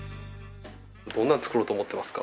どんなの作ろうと思ってますか？